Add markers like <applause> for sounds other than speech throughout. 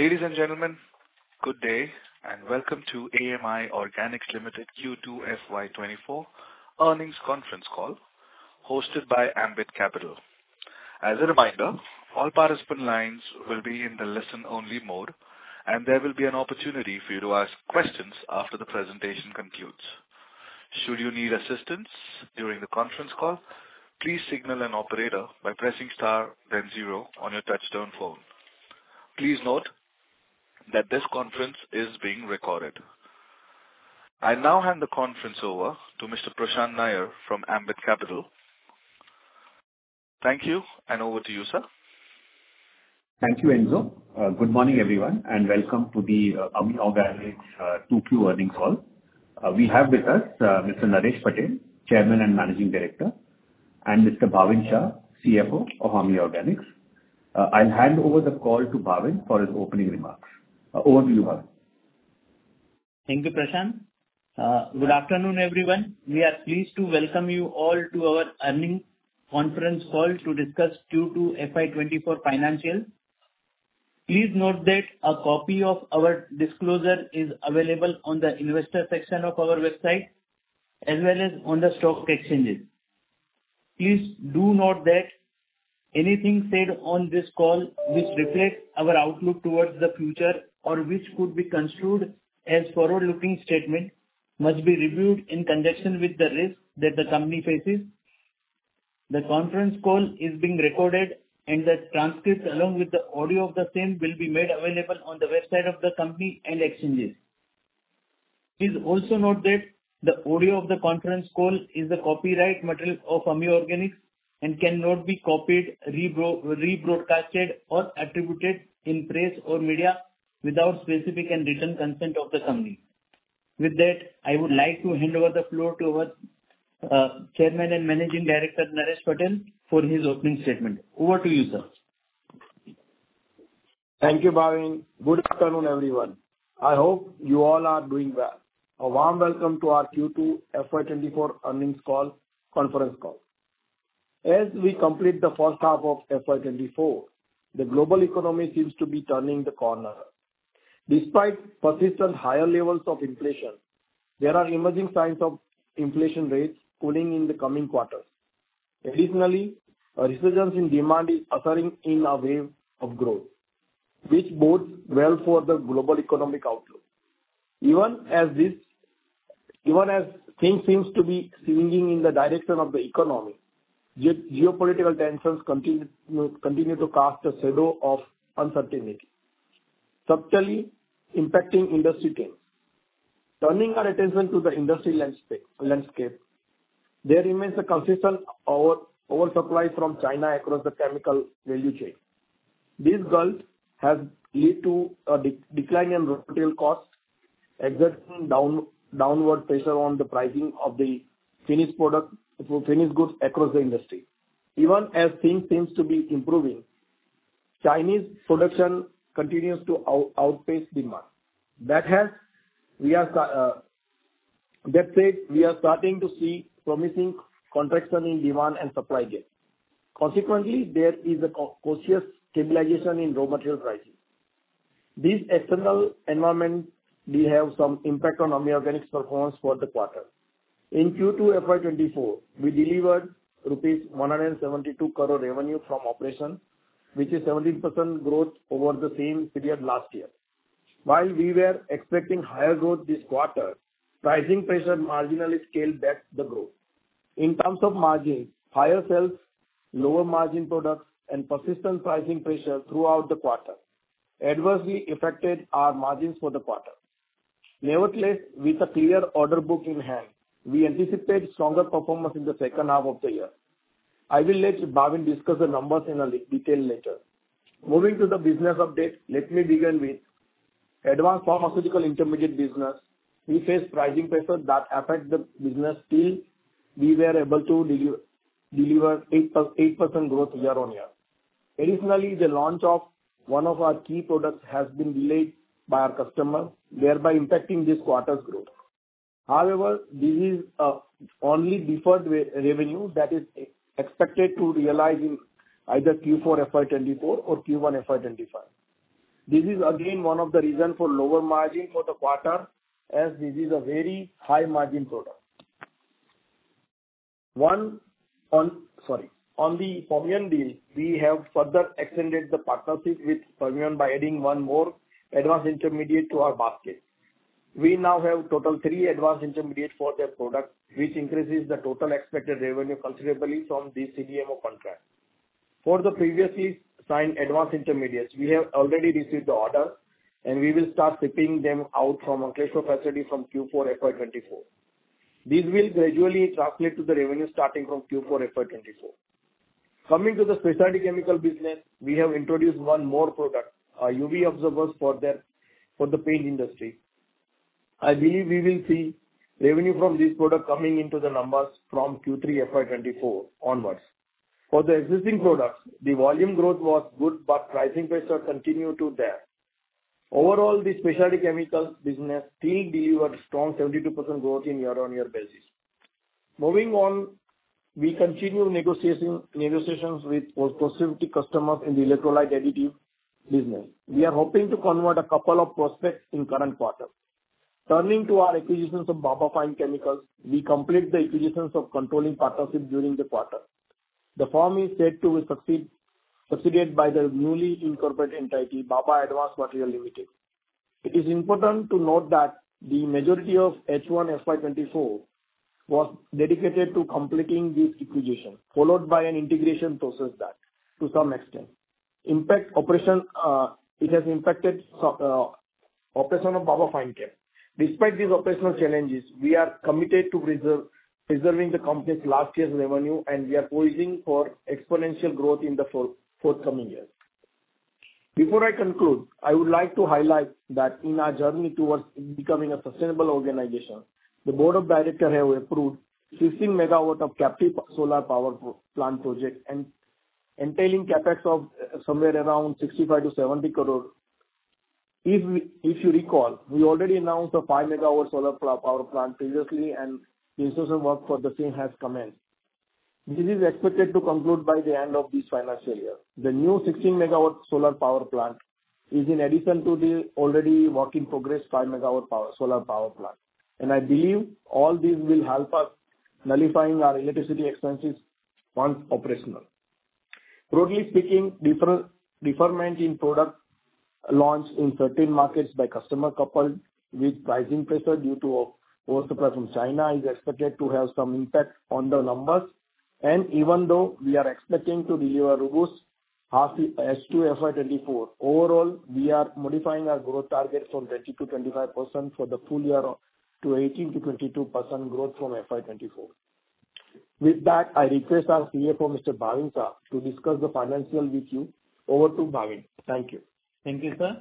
Ladies and gentlemen, good day and welcome to AMI Organics Limited Q2 FY24 earnings conference call hosted by Ambit Capital. As a reminder, all participant lines will be in the listen-only mode, and there will be an opportunity for you to ask questions after the presentation concludes. Should you need assistance during the conference call, please signal an operator by pressing star, then zero on your touch-tone phone. Please note that this conference is being recorded. I now hand the conference over to Mr. Prashant Nair from Ambit Capital. Thank you, and over to you, sir. Thank you, Enzo. Good morning, everyone, and welcome to the AMI Organics 2Q earnings call. We have with us Mr. Naresh Patel, Chairman and Managing Director, and Mr. Bhavin Shah, CFO of AMI Organics. I'll hand over the call to Bhavin for his opening remarks. Over to you, Bhavin. Thank you, Prashant. Good afternoon, everyone. We are pleased to welcome you all to our earnings conference call to discuss Q2 FY24 financials. Please note that a copy of our disclosure is available on the investor section of our website, as well as on the stock exchanges. Please do note that anything said on this call which reflects our outlook towards the future or which could be construed as forward-looking statements must be reviewed in conjunction with the risks that the company faces. The conference call is being recorded, and the transcript along with the audio of the same will be made available on the website of the company and exchanges. Please also note that the audio of the conference call is a copyright material of AMI Organics and cannot be copied, rebroadcast, or attributed in press or media without specific and written consent of the company. With that, I would like to hand over the floor to our Chairman and Managing Director, Naresh Patel, for his opening statement. Over to you, sir. Thank you, Bhavin. Good afternoon, everyone. I hope you all are doing well. A warm welcome to our Q2 FY24 earnings call conference call. As we complete the first half of FY24, the global economy seems to be turning the corner. Despite persistent higher levels of inflation, there are emerging signs of inflation rates cooling in the coming quarters. Additionally, a resurgence in demand is ushering in a wave of growth, which bodes well for the global economic outlook. Even as things seem to be swinging in the direction of the economy, geopolitical tensions continue to cast a shadow of uncertainty, subtly impacting industry trends. Turning our attention to the industry landscape, there remains a consistent oversupply from China across the chemical value chain. This gulf has led to a decline in raw material costs, exerting downward pressure on the pricing of the finished goods across the industry. Even as things seem to be improving, Chinese production continues to outpace demand. That said, we are starting to see promising contraction in demand and supply gaps. Consequently, there is a cautious stabilization in raw material prices. This external environment will have some impact on AMI Organics' performance for the quarter. In Q2 FY24, we delivered rupees 172 crore revenue from operations, which is 17% growth over the same period last year. While we were expecting higher growth this quarter, pricing pressure marginally scaled back the growth. In terms of margins, higher sales, lower margin products, and persistent pricing pressure throughout the quarter adversely affected our margins for the quarter. Nevertheless, with a clear order book in hand, we anticipate stronger performance in the second half of the year. I will let Bhavin discuss the numbers in detail later. Moving to the business update, let me begin with advanced pharmaceutical intermediate business. We face pricing pressures that affect the business till we were able to deliver 8% growth year-on-year. Additionally, the launch of one of our key products has been delayed by our customer, thereby impacting this quarter's growth. However, this is only deferred revenue that is expected to realize in either Q4 FY24 or Q1 FY25. This is, again, one of the reasons for lower margin for the quarter, as this is a very high-margin product. Sorry. On the Fermion deal, we have further extended the partnership with Fermion by adding one more advanced intermediate to our basket. We now have a total of three advanced intermediates for the product, which increases the total expected revenue considerably from this CDMO contract. For the previously signed advanced intermediates, we have already received the order, and we will start shipping them out from Ankleshwar facility from Q4 FY24. These will gradually translate to the revenue starting from Q4 FY24. Coming to the specific chemical business, we have introduced one more product, a UV absorber for the paint industry. I believe we will see revenue from this product coming into the numbers from Q3 FY24 onwards. For the existing products, the volume growth was good, but pricing pressures continued there. Overall, the specific chemicals business still delivered strong 72% growth on a year-on-year basis. Moving on, we continue negotiations with prospective customers in the electrolyte additive business. We are hoping to convert a couple of prospects in the current quarter. Turning to our acquisitions of Baba Fine Chemicals, we completed the acquisitions of controlling partnerships during the quarter. The firm is set to be subsidiarized by the newly incorporated entity, Baba Advanced Material Limited. It is important to note that the majority of H1 FY24 was dedicated to completing this acquisition, followed by an integration process to some extent. It has impacted the operation of Baba Fine Chemicals. Despite these operational challenges, we are committed to preserving the company's last year's revenue, and we are poised for exponential growth in the forthcoming years. Before I conclude, I would like to highlight that in our journey towards becoming a sustainable organization, the board of directors have approved a 15-megawatt captive solar power plant project entailing Capex of somewhere around 65-70 crore. If you recall, we already announced a 5-megawatt solar power plant previously, and the construction work for the same has commenced. This is expected to conclude by the end of this financial year. The new 16-megawatt solar power plant is in addition to the already work in progress 5-megawatt solar power plant. I believe all this will help us nullify our electricity expenses once operational. Broadly speaking, deferment in product launch in certain markets by customers coupled with pricing pressure due to oversupply from China is expected to have some impact on the numbers. Even though we are expecting to deliver robust H2 FY24, overall, we are modifying our growth target from 20%-25% for the full year to 18%-22% growth from FY24. With that, I request our CFO, Mr. Bhavin Shah, to discuss the financials with you. Over to Bhavin. Thank you. Thank you, sir.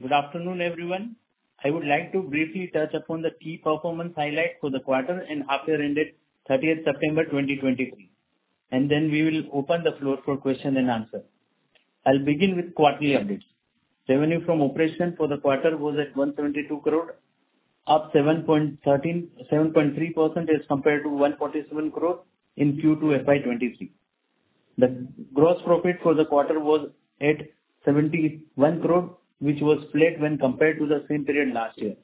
Good afternoon, everyone. I would like to briefly touch upon the key performance highlights for the quarter and half-year ended 30 September 2023. Then we will open the floor for questions and answers. I'll begin with quarterly updates. Revenue from operation for the quarter was at 172 crore, up 7.3% as compared to 147 crore in Q2 FY23. The gross profit for the quarter was at 71 crore, which was flat when compared to the same period last year.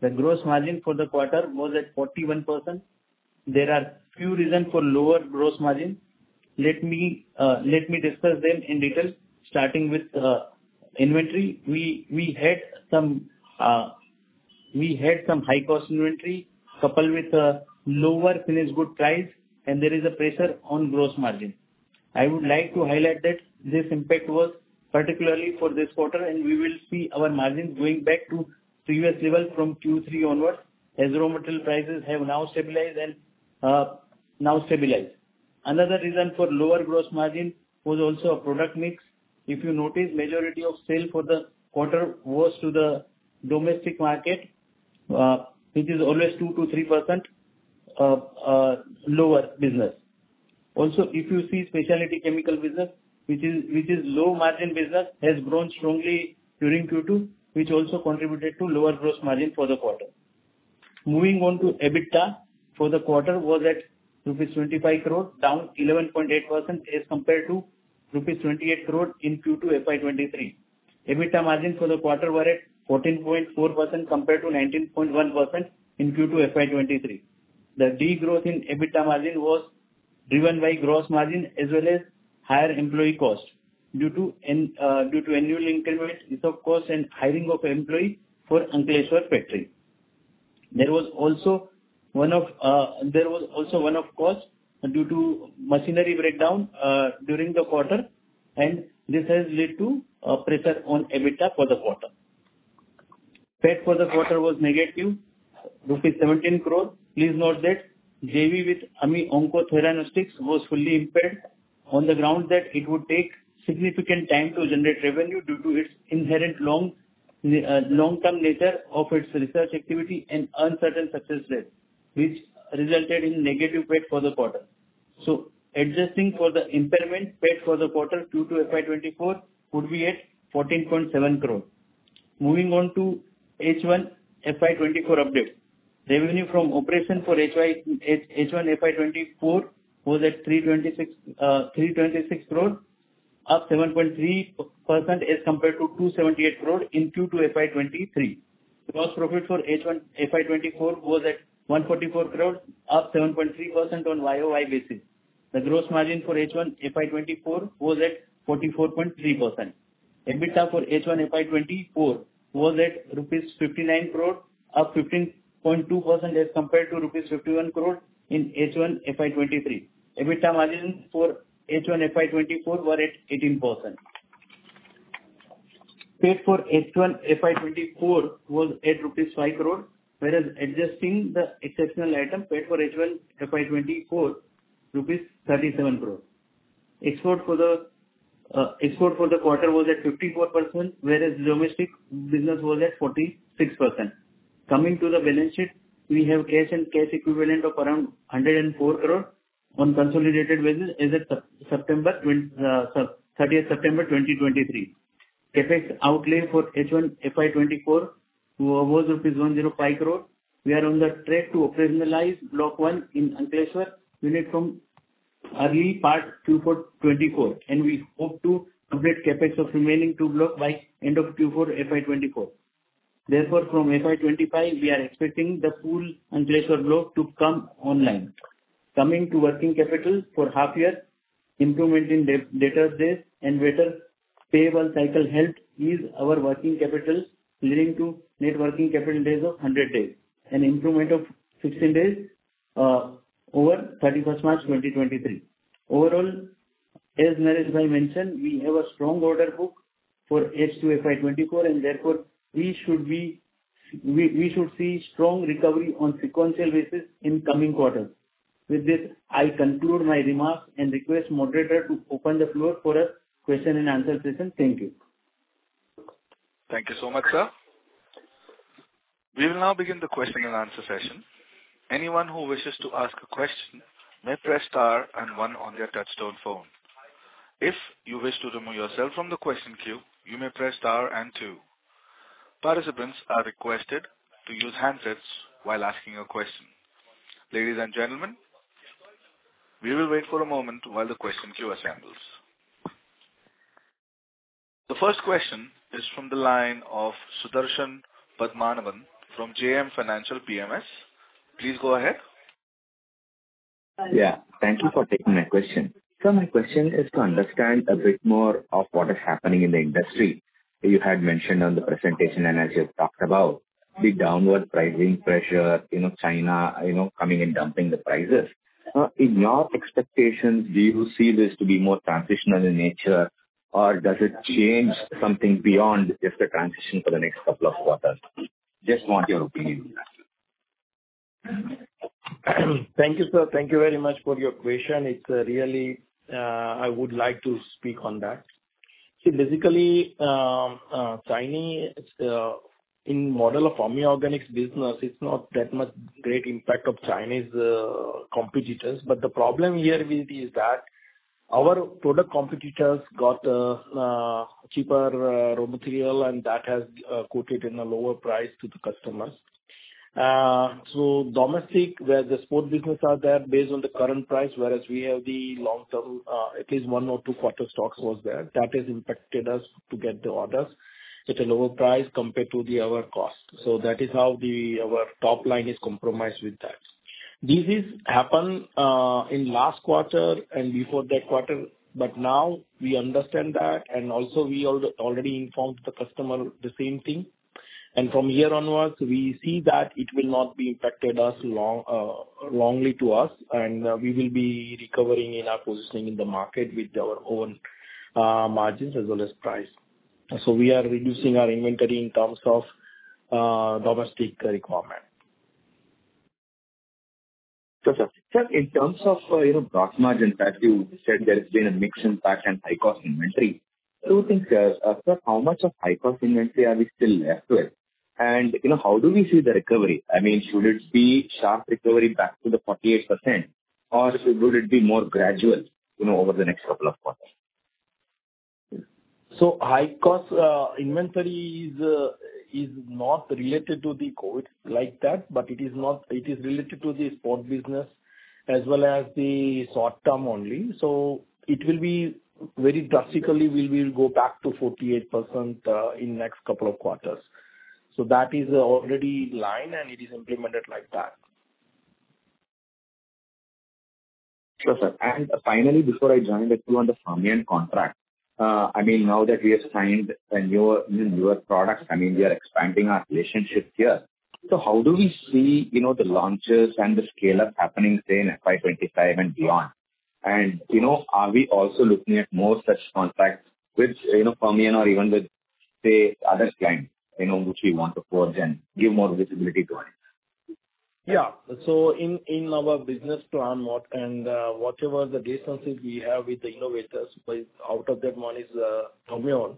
The gross margin for the quarter was at 41%. There are a few reasons for lower gross margin. Let me discuss them in detail, starting with inventory. We had some high-cost inventory coupled with lower finished goods prices, and there is a pressure on gross margin. I would like to highlight that this impact was particularly for this quarter, and we will see our margins going back to previous levels from Q3 onwards as raw material prices have now stabilized. Another reason for lower gross margin was also product mix. If you notice, the majority of sales for the quarter was to the domestic market, which is always 2%-3% lower business. Also, if you see the specialty chemical business, which is low-margin business, has grown strongly during Q2, which also contributed to lower gross margin for the quarter. Moving on to EBITDA for the quarter was at rupees 25 crore, down 11.8% as compared to rupees 28 crore in Q2 FY23. EBITDA margins for the quarter were at 14.4% compared to 19.1% in Q2 FY23. The degrowth in EBITDA margin was driven by gross margin as well as higher employee costs due to annual increment of costs and hiring of employees for Ankleshwar factory. There was also one-off costs due to machinery breakdown during the quarter, and this has led to pressure on EBITDA for the quarter. PAT for the quarter was negative rupees 17 crore. Please note that JV with AMI Onco-Theranostics was fully impaired on the grounds that it would take significant time to generate revenue due to its inherent long-term nature of its research activity and uncertain success rate, which resulted in negative PAT for the quarter. So adjusting for the impairment, PAT for the quarter Q2 FY24 would be at 14.7 crore. Moving on to H1 FY24 updates. Revenue from operations for H1 FY24 was at 326 crore, up 7.3% as compared to 278 crore in Q2 FY23. Gross profit for H1 FY24 was at 144 crore, up 7.3% on year-over-year basis. The gross margin for H1 FY24 was at 44.3%. EBITDA for H1 FY24 was at rupees 59 crore, up 15.2% as compared to rupees 51 crore in H1 FY23. EBITDA margins for H1 FY24 were at 18%. PET for H1 FY24 was at 5 crore, whereas adjusting the exceptional item, PET for H1 FY24, was INR 37 crore. Export for the quarter was at 54%, whereas domestic business was at 46%. Coming to the balance sheet, we have cash and cash equivalent of around 104 crore on consolidated basis as of 30 September 2023. Capex outlay for H1 FY24 was INR 105 crore. We are on the track to operationalize Block 1 in Ankleshwar unit from early part Q4 2024, and we hope to complete CapEx of remaining two blocks by the end of Q4 FY24. Therefore, from FY25, we are expecting the full Ankleshwar block to come online. Coming to working capital for half-year, improvement in debt days and better payable cycle health is our working capital leading to net working capital days of 100 days and improvement of 16 days over 31 March 2023. Overall, as Nareshbhai mentioned, we have a strong order book for H2 FY24, and therefore, we should see strong recovery on sequential basis in the coming quarter. With this, I conclude my remarks and request the moderator to open the floor for a question and answer session. Thank you. Thank you so much, sir. We will now begin the question and answer session. Anyone who wishes to ask a question may press star and one on their touch-tone phone. If you wish to remove yourself from the question queue, you may press star and two. Participants are requested to use handsets while asking a question. Ladies and gentlemen, we will wait for a moment while the question queue assembles. The first question is from the line of Sudarshan Padmanabhan from JM Financial PMS. Please go ahead. Yeah. Thank you for taking my question. Sir, my question is to understand a bit more of what is happening in the industry. You had mentioned on the presentation, and as you have talked about, the downward pricing pressure, China coming and dumping the prices. In your expectations, do you see this to be more transitional in nature, or does it change something beyond just a transition for the next couple of quarters? Just want your opinion on that. Thank you, sir. Thank you very much for your question. I would like to speak on that. See, basically, in the model of AMI Organics business, it's not that much great impact of Chinese competitors. But the problem here with it is that our product competitors got cheaper raw material, and that has quoted at a lower price to the customers. So domestic, where the spot business are there based on the current price, whereas we have the long-term, at least one or two quarters stocks was there, that has impacted us to get the orders at a lower price compared to our cost. So that is how our top line is compromised with that. This happened in the last quarter and before that quarter, but now we understand that, and also, we already informed the customer the same thing. From here onwards, we see that it will not be impacting us for long, too, and we will be recovering in our positioning in the market with our own margins as well as price. So we are reducing our inventory in terms of domestic requirement. Sir, in terms of gross margins, as you said, there has been a mixed impact and high-cost inventory. Two things, sir. Sir, how much of high-cost inventory are we still left with? And how do we see the recovery? I mean, should it be sharp recovery back to the 48%, or would it be more gradual over the next couple of quarters? High-cost inventory is not related to the COVID like that, but it is related to the sport business as well as the short-term only. Very drastically, we will go back to 48% in the next couple of quarters. That is already in line, and it is implemented like that. Sure, sir. And finally, before I join with you on the Fermion contract, I mean, now that we have signed newer products, I mean, we are expanding our relationship here. So how do we see the launches and the scale-up happening, say, in FY25 and beyond? And are we also looking at more such contracts with Fermion or even with, say, other clients which we want to forge and give more visibility to it? Yeah. So in our business plan, and whatever the distances we have with the innovators, out of that one is Fermion.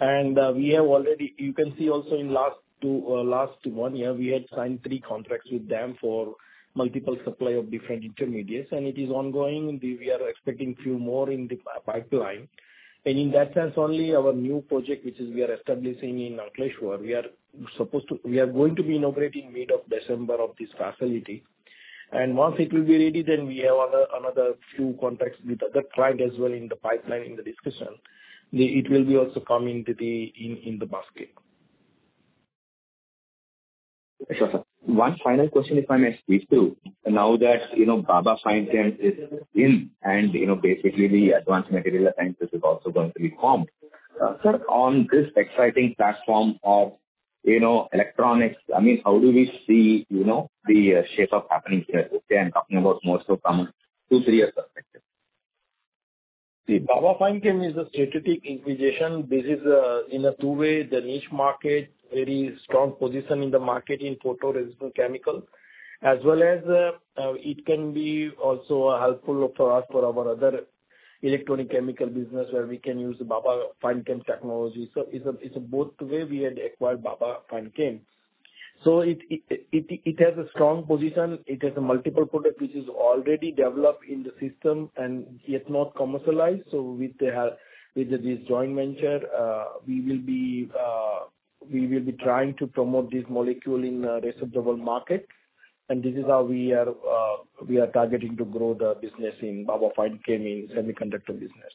And you can see also, in the last 1 year, we had signed 3 contracts with them for multiple supply of different intermediates, and it is ongoing. We are expecting a few more in the pipeline. And in that sense, only our new project, which is we are establishing in Ankleshwar, we are going to be inaugurating mid-December of this facility. And once it will be ready, then we have another few contracts with other clients as well in the pipeline in the discussion. It will be also coming into the basket. Sure, sir. One final question, if I may speak to. Now that Baba Fine Chemicals is in, and basically, the Baba Advanced Material is also going to be formed. Sir, on this exciting platform of electronics, I mean, how do we see the shape of happening here? Okay, I'm talking about more so from a two, three-year perspective. See, Baba Fine Chemicals is a strategic acquisition. This is in a two-way. The niche market, very strong position in the market in Photoresist, as well as it can be also helpful for us for our other electronic chemical business where we can use Baba Fine Chemicals technology. So it's a both-way. We had acquired Baba Fine Chemicals. So it has a strong position. It has a multiple product which is already developed in the system and yet not commercialized. So with this joint venture, we will be trying to promote this molecule in the resorbable market. And this is how we are targeting to grow the business in Baba Fine Chemicals in the semiconductor business.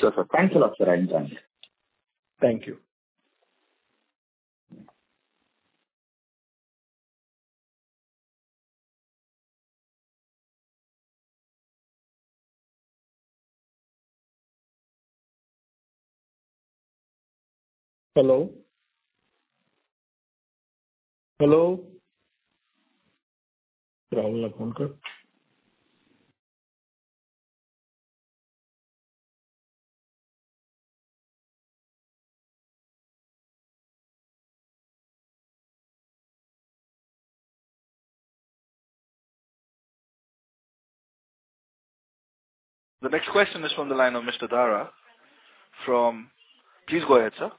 Sure, sir. Thanks a lot, sir. I'm done. Thank you. Hello? Hello? राहुलला phone कर. The next question is from the line of Mr. Darshit Shah. Please go ahead, sir.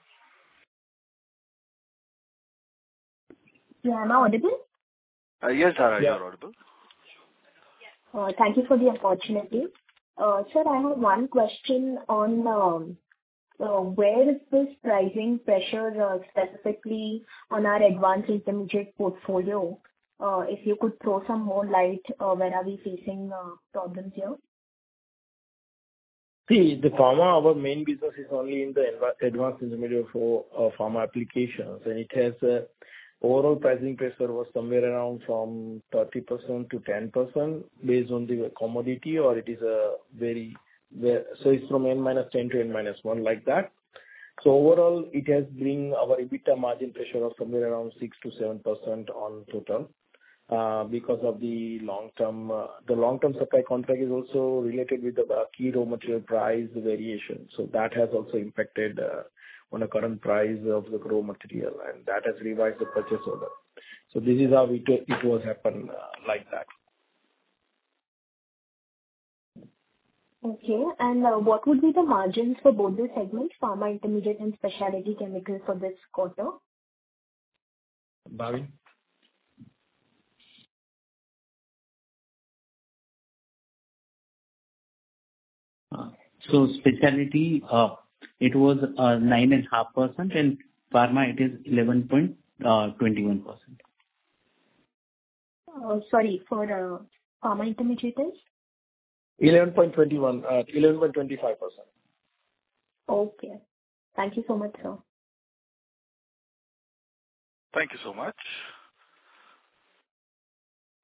Yeah. Am I audible? Yes, Dara, you are audible. Sure. Thank you for the opportunity. Sir, I have one question on where is this pricing pressure specifically on our advanced intermediate portfolio? If you could throw some more light on where are we facing problems here? See, the pharma, our main business is only in the advanced intermediate for pharma applications, and it has an overall pricing pressure was somewhere around from 30%-10% based on the commodity, or it is a very so it's from N-10 to N-1 like that. So overall, it has brought our EBITDA margin pressure of somewhere around 6%-7% on total because of the long-term the long-term supply contract is also related with the key raw material price variation. So that has also impacted on the current price of the raw material, and that has revised the purchase order. So this is how it was happening like that. Okay. And what would be the margins for both the segments, pharma intermediate and specialty chemical, for this quarter? Bavi? Specialty, it was 9.5%, and pharma, it is 11.21%. Sorry, for pharma intermediates, please? 11.21, 11.25%. Okay. Thank you so much, sir. Thank you so much.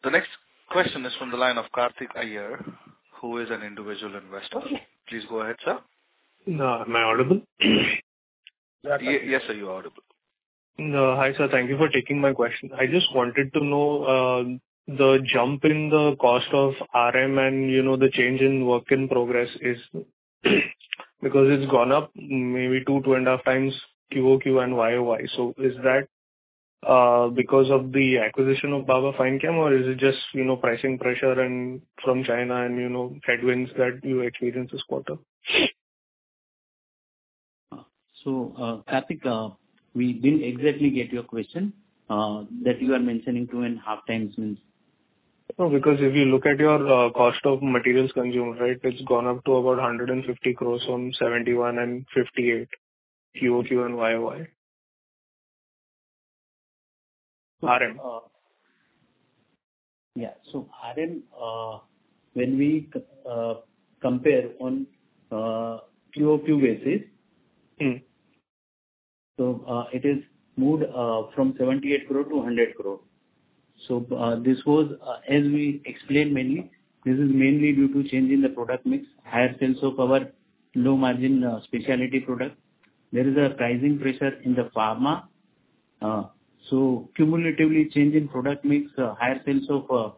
The next question is from the line of Karthik Iyer, who is an individual investor. Please go ahead, sir. Am I audible? Yes, sir, you are audible. Hi, sir. Thank you for taking my question. I just wanted to know the jump in the cost of RM and the change in work in progress is because it's gone up maybe 2, 2.5 times QOQ and YOY. So is that because of the acquisition of Baba Fine Chemicals, or is it just pricing pressure from China and headwinds that you experienced this quarter? Karthik, we didn't exactly get your question that you are mentioning 2.5 times means. Because if you look at your cost of materials consumed, right, it's gone up to about 150 crore from 71 crore and 58 crore QOQ and YOY. RM. Yeah. So RM, when we compare on QOQ basis, so it has moved from 78 crore-100 crore. So as we explained mainly, this is mainly due to change in the product mix, higher sales of our low-margin specialty product. There is a pricing pressure in the pharma. So cumulatively, change in product mix, higher sales of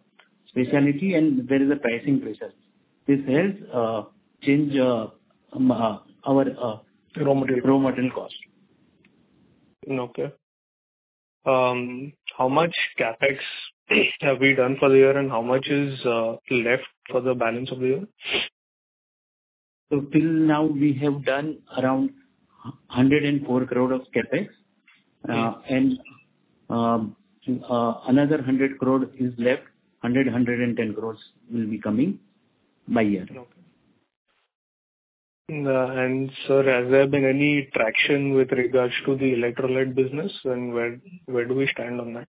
specialty, and there is a pricing pressure. This helps change our. Raw material. Raw material cost. Okay. How much CapEx have we done for the year, and how much is left for the balance of the year? Till now, we have done around 104 crore of CapEx, and another 100 crore is left. 100-110 crores will be coming by year. Okay. And sir, has there been any traction with regards to the electrolyte business, and where do we stand on that?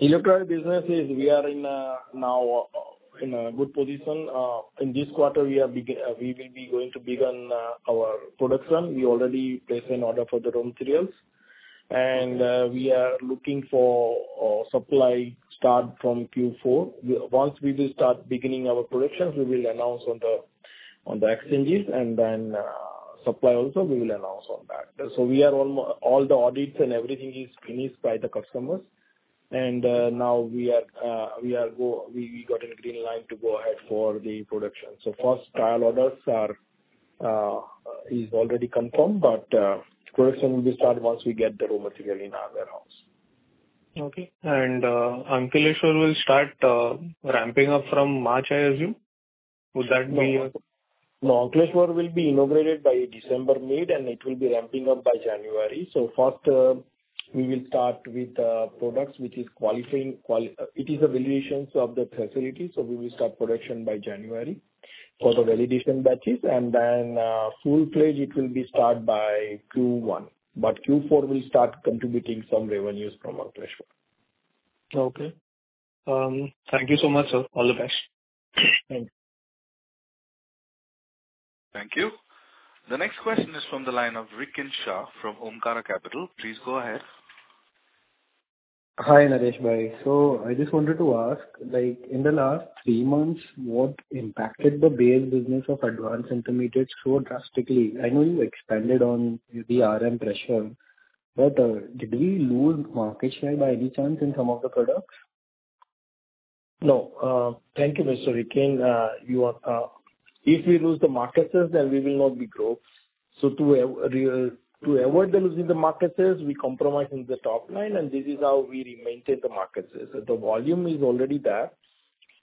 Electrolyte business is we are now in a good position. In this quarter, we will be going to begin our production. We already placed an order for the raw materials, and we are looking for supply start from Q4. Once we will start beginning our production, we will announce on the exchanges, and then supply also, we will announce on that. So all the audits and everything is finished by the customers. And now we got the green light to go ahead for the production. So first trial order is already confirmed, but production will be started once we get the raw material in our warehouse. Okay. Ankleshwar will start ramping up from March, I assume? Would that be? No, Ankleshwar will be inaugurated by mid-December, and it will be ramping up by January. So first, we will start with products, which is qualifying. It is a validation of the facility, so we will start production by January for the validation batches. And then full-fledged, it will be started by Q1, but Q4 will start contributing some revenues from Ankleshwar. Okay. Thank you so much, sir. All the best. Thank you. Thank you. The next question is from the line of Riken Shah from Omkara Capital. Please go ahead. Hi, Nareshbhai. So I just wanted to ask, in the last three months, what impacted the base business of advanced intermediates so drastically? I know you expanded on the RM pressure, but did we lose market share by any chance in some of the products? No, thank you, Mr. Riken. If we lose the market share, then we will not be growth. So to avert the losing the market share, we compromise in the top line, and this is how we maintain the market share. So the volume is already there.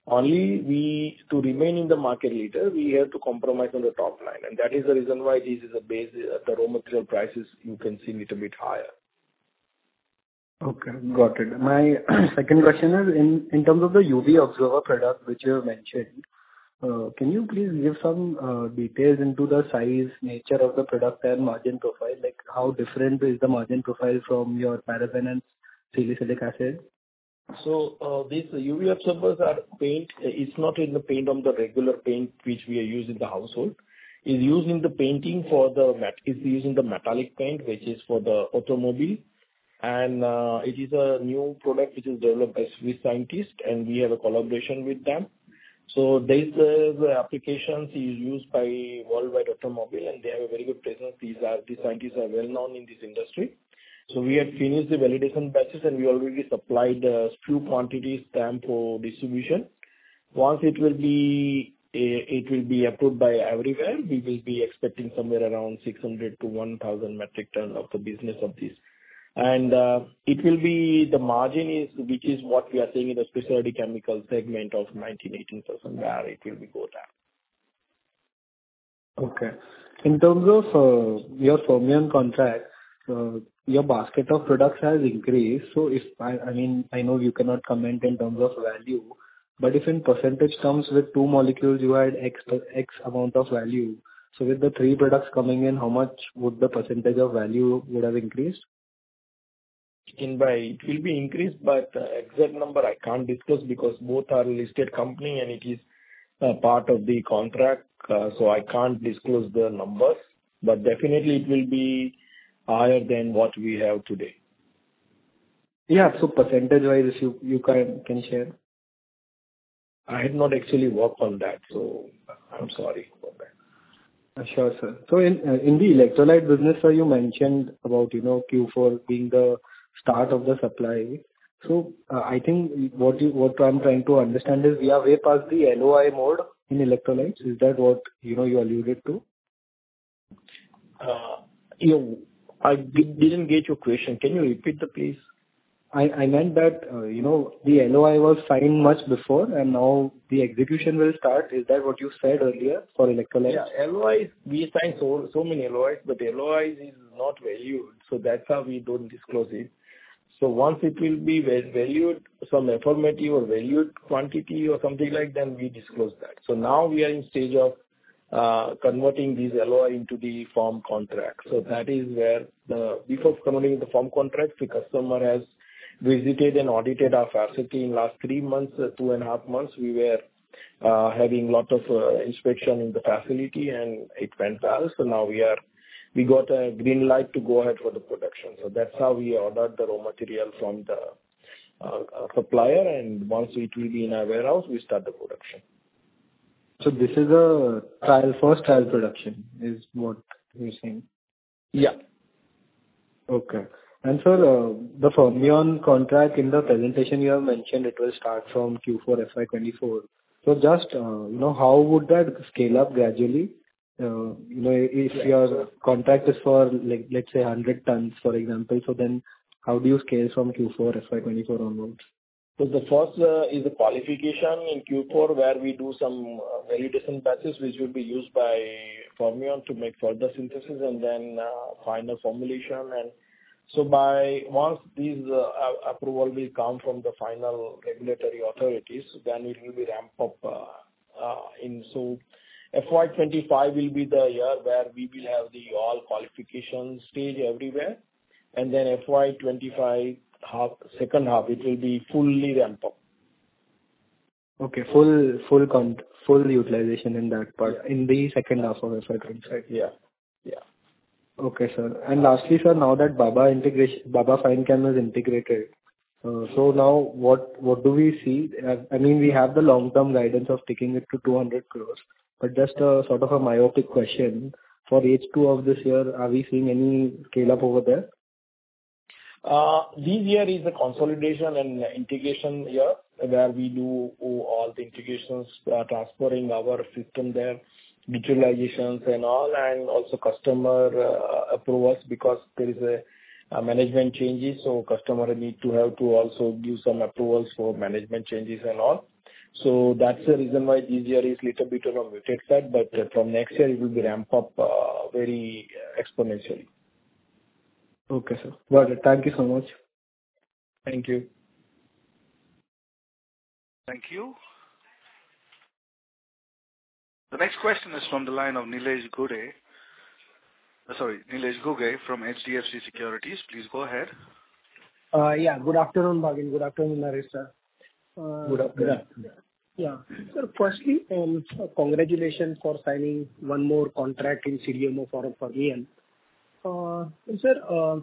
Only to remain in the market leader, we have to compromise on the top line. And that is the reason why this is a base the raw material prices, you can see, a little bit higher. Okay. Got it. My second question is, in terms of the UV absorber product which you mentioned, can you please give some details into the size, nature of the product, and margin profile? How different is the margin profile from your paraben and salicylic acid? So these UV absorbers are paint. It's not in the paint of the regular paint which we are using in the household. It's used in the painting, it's used in the metallic paint, which is for the automobile. And it is a new product which is developed by Swiss scientists, and we have a collaboration with them. So these applications are used by worldwide automobile, and they have a very good presence. These scientists are well-known in this industry. So we have finished the validation batches, and we already supplied a few quantities to them for distribution. Once it will be approved by everywhere, we will be expecting somewhere around 600-1,000 metric tons of the business of this. And the margin, which is what we are seeing in the specialty chemical segment, of 18%-19%, it will be going up. Okay. In terms of your Fermion contract, your basket of products has increased. So I mean, I know you cannot comment in terms of value, but if in percentage terms, with two molecules, you had X amount of value. So with the three products coming in, how much would the percentage of value have increased? It will be increased, but the exact number, I can't discuss because both are listed companies, and it is part of the contract, so I can't disclose the numbers. But definitely, it will be higher than what we have today. Yeah. So percentage-wise, if you can share. I had not actually worked on that, so I'm sorry for that. Sure, sir. So in the electrolyte business, sir, you mentioned about Q4 being the start of the supply. So I think what I'm trying to understand is we are way past the LOI mode in electrolytes. Is that what you alluded to? I didn't get your question. Can you repeat that, please? I meant that the LOI was signed much before, and now the execution will start. Is that what you said earlier for electrolytes? Yeah. We signed so many LOIs, but the LOIs are not valued, so that's how we don't disclose it. So once it will be valued, some affirmative or valued quantity or something like that, then we disclose that. So now we are in the stage of converting these LOIs into the form contract. So that is where before converting into the formal contract, the customer has visited and audited our facility. In the last 3 months, 2.5 months, we were having a lot of inspection in the facility, and it went well. So now we got a green light to go ahead for the production. So that's how we ordered the raw material from the supplier. And once it will be in our warehouse, we start the production. So this is a first trial production, is what you're saying? Yeah. Okay. And sir, the Fermion contract, in the presentation, you have mentioned it will start from Q4, FY 2024. So just how would that scale up gradually if your contract is for, let's say, 100 tons, for example? So then how do you scale from Q4, FY 2024 onwards? So the first is a qualification in Q4 where we do some validation batches, which will be used by Fermion and to make further synthesis and then final formulation. And so once this approval will come from the final regulatory authorities, then it will be ramped up. So FY25 will be the year where we will have the all qualification stage everywhere. And then FY25, second half, it will be fully ramped up. Okay. Full utilization in that part, in the second half of FY25. Yeah. Yeah. Okay, sir. And lastly, sir, now that Baba Fine Chemicals is integrated, so now what do we see? I mean, we have the long-term guidance of taking it to 200 crore. But just sort of a myopic question, for H2 of this year, are we seeing any scale-up over there? This year is a consolidation and integration year where we do all the integrations, transferring our system there, digitalizations and all, and also customer approvals because there are management changes. So customer needs to have to also give some approvals for management changes and all. So that's the reason why this year is a little bit on a muted side. But from next year, it will be ramped up very exponentially. Okay, sir. Got it. Thank you so much. Thank you. Thank you. The next question is from the line of Nilesh Ghuge. Sorry, Nilesh Ghuge from HDFC Securities. Please go ahead. Yeah. Good afternoon, Bhavin. Good afternoon, Nareshbhai. Good afternoon. Yeah. Sir, firstly, congratulations for signing one more contract in CDMO for AMI, sir,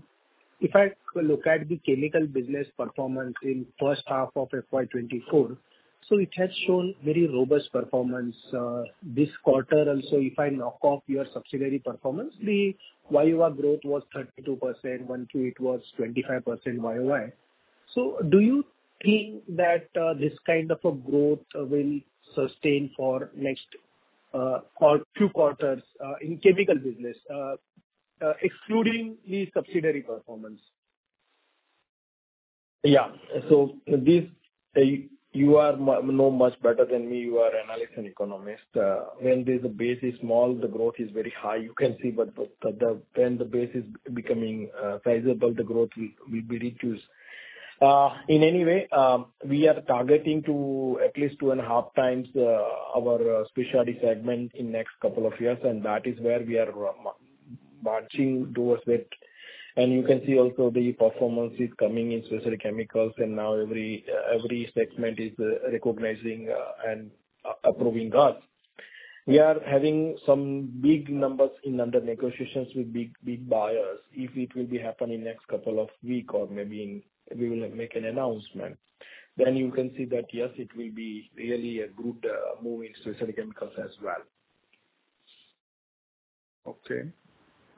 if I look at the chemical business performance in the first half of FY 2024, so it has shown very robust performance this quarter. Also, if I knock off your subsidiary performance, the YOY growth was 32%. In 1Q, it was 25% YOY. So do you think that this kind of growth will sustain for the next few quarters in chemical business, excluding the subsidiary performance? Yeah. So you know much better than me. You are an analyst and economist. When the base is small, the growth is very high. You can see. But when the base is becoming sizable, the growth will be reduced. In any way, we are targeting to at least 2.5 times our specialty segment in the next couple of years, and that is where we are marching towards it. You can see also the performance is coming in specialty chemicals, and now every segment is recognizing and approving us. We are having some big numbers under negotiations with big buyers. If it will be happening in the next couple of weeks or maybe we will make an announcement, then you can see that, yes, it will be really a good move in specialty chemicals as well. Okay.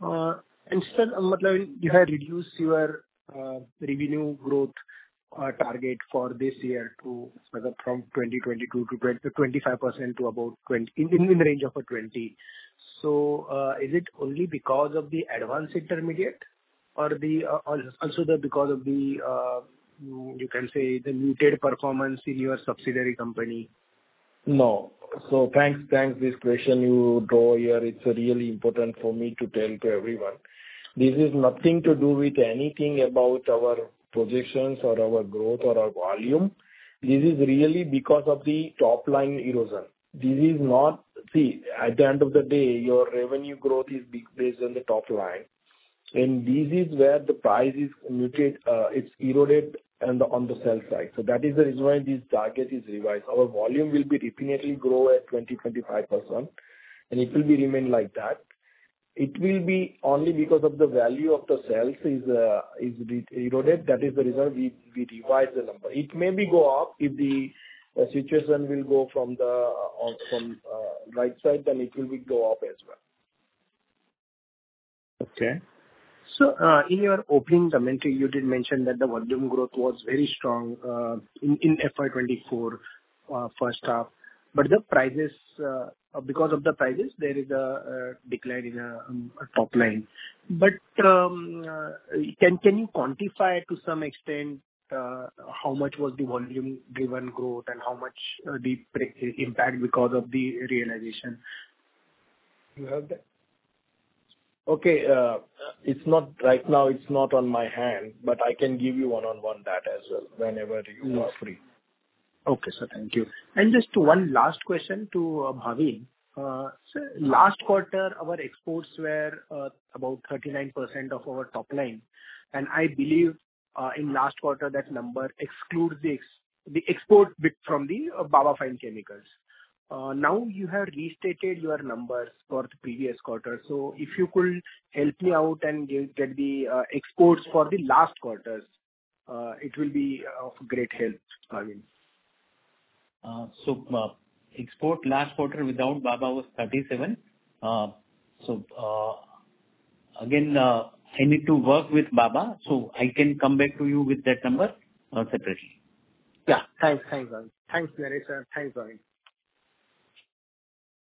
Sir, I mean, you had reduced your revenue growth target for this year from 22%-25% to about in the range of 20%. So is it only because of the advanced intermediate or also because of the, you can say, the muted performance in your subsidiary company? No. So thanks for this question, Dhara. It's really important for me to tell to everyone. This is nothing to do with anything about our projections or our growth or our volume. This is really because of the top-line erosion. See, at the end of the day, your revenue growth is based on the top line, and this is where the price is muted. It's eroded on the sell-side. So that is the reason why this target is revised. Our volume will definitely grow at 20%-25%, and it will remain like that. It will be only because the value of the sales is eroded. That is the reason we revise the number. It may be go up. If the situation will go from the right side, then it will go up as well. Okay. So in your opening comment, you did mention that the volume growth was very strong in FY24 first half. But because of the prices, there is a decline in the top line. But can you quantify to some extent how much was the volume-driven growth and how much the impact because of the realization? You heard that? Okay. Right now, it's not on my hand, but I can give you one-on-one that as well whenever you are free. Okay, sir. Thank you. And just one last question to Bhavin. Sir, last quarter, our exports were about 39% of our top line, and I believe in last quarter, that number excludes the export from the Baba Fine Chemicals. Now you have restated your numbers for the previous quarter. So if you could help me out and get the exports for the last quarters, it will be of great help, Bhavin. So export last quarter without Baba was 37. So again, I need to work with Baba, so I can come back to you with that number separately. Yeah. Thanks. Thanks, Bhavin. Thanks, Nareshbhai. Thanks, Bhavin. These quarters. Thank you. Okay.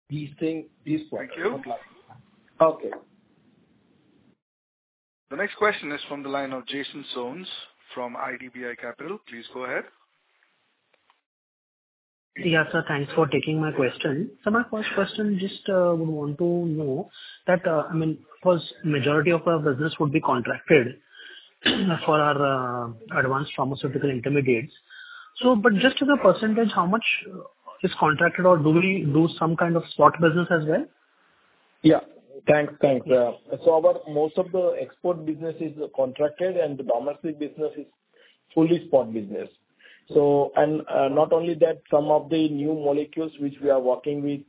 The next question is from the line of Jason Soans from IDBI Capital. Please go ahead. Yeah, sir. Thanks for taking my question. So my first question, I just would want to know that, I mean, because the majority of our business would be contracted for our advanced pharmaceutical intermediates. But just as a percentage, how much is contracted, or do we do some kind of spot business as well? Yeah. Thanks. Thanks. So most of the export business is contracted, and the domestic business is fully spot business. And not only that, some of the new molecules which we are working with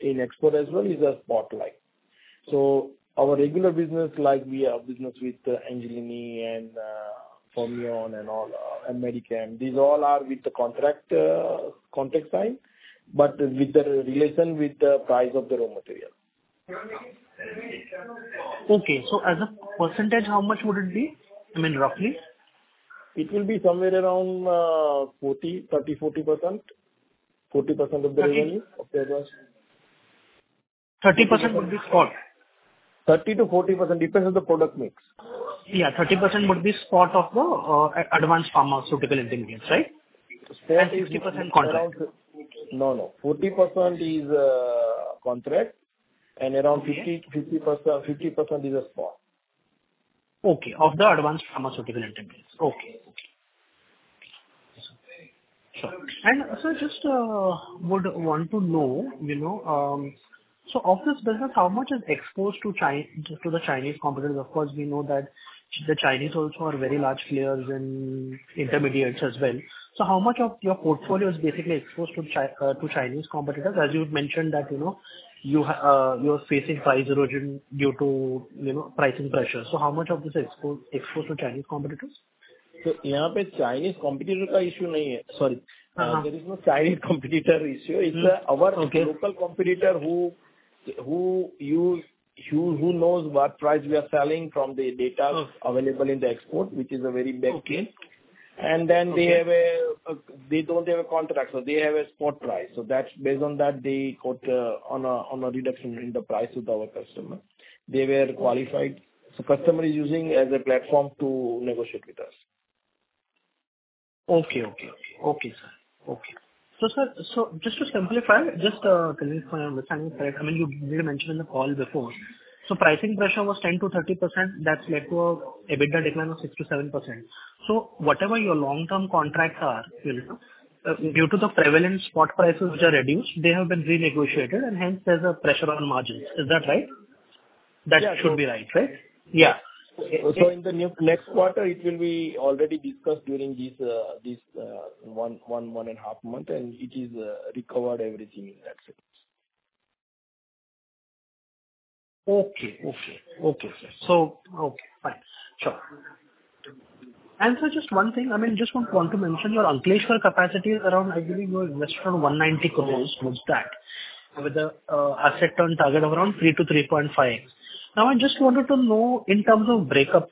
in export as well is spot-like. So our regular business, like we have business with Angelini and Fermion and all, and Medichem, these all are with the contract sign but with the relation with the price of the raw material. Okay. So as a percentage, how much would it be, I mean, roughly? It will be somewhere around 30%-40% of the revenue of the advanced. 30% would be spot? 30%-40%. Depends on the product mix. Yeah. 30% would be spot of the advanced pharmaceutical intermediates, right? And 50% contract. No, no. 40% is contract, and around 50% is spot. Okay. Of the advanced pharmaceutical intermediates. Okay. Okay. Sure. And sir, I just would want to know, so of this business, how much is exposed to the Chinese competitors? Of course, we know that the Chinese also are very large players in intermediates as well. So how much of your portfolio is basically exposed to Chinese competitors? As you mentioned that you are facing price erosion due to pricing pressure. So how much of this is exposed to Chinese competitors? So here, Chinese competitor issue is not an issue. Sorry. There is no Chinese competitor issue. It's our local competitor who knows what price we are selling from the data available in the export, which is a very big case. Then they don't have a contract. They have a spot price. Based on that, they got a reduction in the price with our customer. They were qualified. Customer is using as a platform to negotiate with us. Okay. Okay. Okay. Okay, sir. Okay. So sir, so just to simplify, just to clarify on the timing, sir, I mean, you did mention in the call before, so pricing pressure was 10%-30%. That's led to a bit of a decline of 6%-7%. Whatever your long-term contracts are, due to the prevalent spot prices which are reduced, they have been renegotiated, and hence, there's a pressure on margins. Is that right? That should be right, right? Yeah. So in the next quarter, it will be already discussed during this one and a half month, and it is recovered everything. That's it. O kay. Okay. Okay, sir. Okay. Fine. Sure. And sir, just one thing, I mean, I just want to mention your Ankleshwar capacity is around, I believe, you invested on 190 crore. What's that with the asset turn target of around 3-3.5? Now, I just wanted to know, in terms of breakup,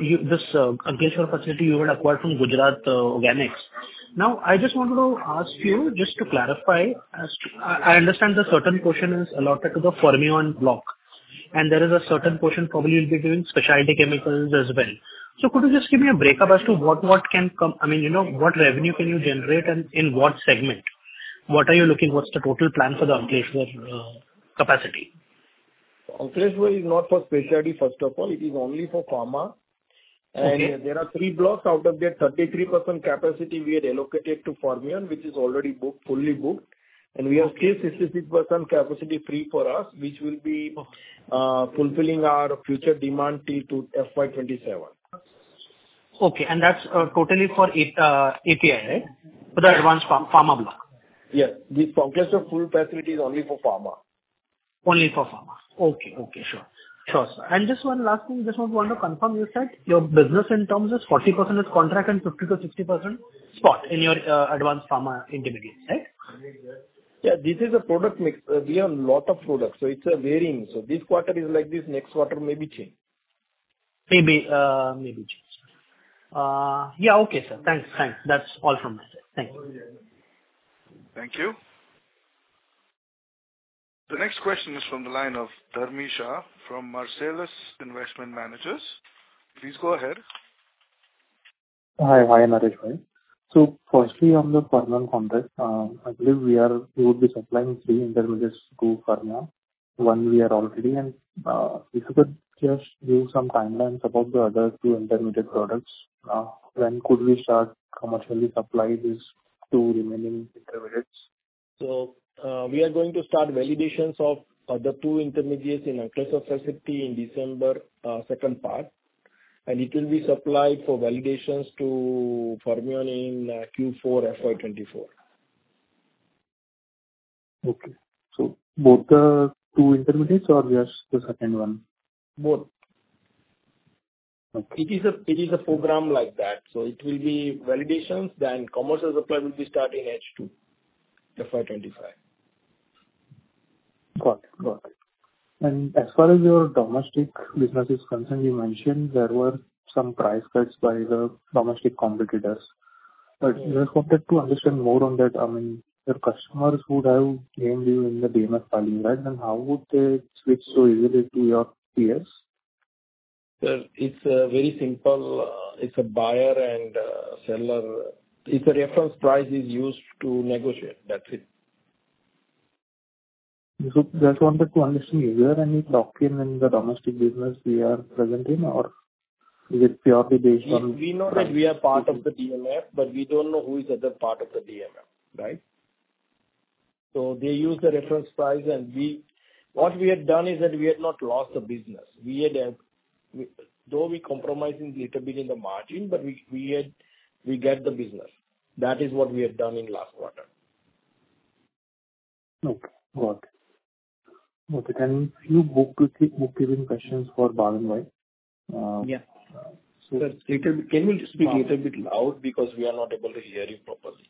this Ankleshwar facility you had acquired from Gujarat Organics. Now, I just wanted to ask you just to clarify. I understand a certain portion is allotted to the Fermion and Block, and there is a certain portion probably will be doing specialty chemicals as well. So could you just give me a breakup as to what can come? I mean, what revenue can you generate and in what segment? What are you looking? What's the total plan for the Ankleshwar capacity? Ankleshwar is not for specialty, first of all. It is only for pharma. And there are three blocks. Out of their 33% capacity, we had allocated to Fermion, which is already fully booked. And we have still 66% capacity free for us, which will be fulfilling our future demand till FY27. Okay. And that's totally for API, right, for the advanced pharma block? Yes. This Ankleshwar full facility is only for pharma. Only for pharma. Okay. Okay. Sure. Sure, sir. And just one last thing, I just want to confirm. You said your business, in terms of 40% is contract and 50%-60% spot in your advanced pharma intermediates, right? Yeah. This is a product mix. We have a lot of products. So it's varying. So this quarter is like this. Next quarter, maybe change. Maybe. Maybe change. Yeah. Okay, sir. Thanks. Thanks. That's all from my side. Thank you. Thank you. The next question is from the line of Darshit Shah from Marcellus Investment Managers. Please go ahead. Hi. Hi, Nareshbhai. So firstly, on the Fermion and contracts, I believe we would be supplying three intermediates to Fermion. One, we are already. And if you could just give some timelines about the other two intermediate products, when could we start commercially supplying these two remaining intermediates? We are going to start validations of the two intermediates in Ankleshwar facility in December, second part. It will be supplied for validations to Fermion in Q4 FY 2024. Okay. So both the two intermediates or just the second one? Both. It is a program like that. So it will be validations. Then commercial supply will be starting H2 FY 2025. Got it. Got it. As far as your domestic business is concerned, you mentioned there were some price cuts by the domestic competitors. I just wanted to understand more on that. I mean, your customers would have named you in the DMF filing, right? Then how would they switch so easily to your PS? Sir, it's very simple. It's a buyer and seller. It's a reference price is used to negotiate. That's it. That's what I wanted to understand. Is there any lock-in in the domestic business we are present in, or is it purely based on? We know that we are part of the DMF, but we don't know who is the other part of the DMF, right? So they use the reference price. And what we had done is that we had not lost the business. Though we compromised a little bit in the margin, but we got the business. That is what we had done in last quarter. Okay. Got it. Got it. And you booked even questions for Bhavinbhai. Yes. Sir, can you speak a little bit loud because we are not able to hear you properly?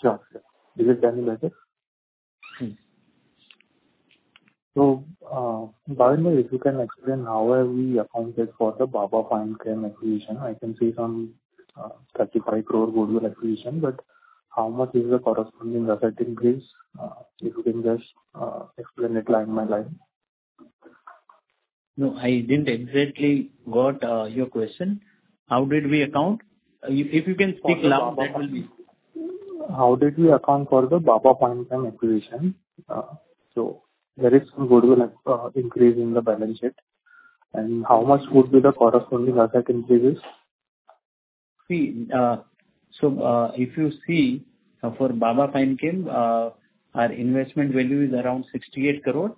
Sure. Sure. Is it any better? Bhavin Shah, if you can explain how we accounted for the Baba Fine Chemicals acquisition, I can see some 35 crore goodwill acquisition. But how much is the corresponding asset increase? If you can just explain it line by line. No, I didn't exactly get your question. How did we account? If you can speak loud, that will be. How did we account for the Baba Fine Chemicals acquisition? So there is some goodwill increase in the balance sheet. And how much would be the corresponding asset increase? See, so if you see, for Baba Fine Chemicals, our investment value is around 68 crore.